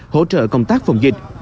hỗ trợ công tác phòng dịch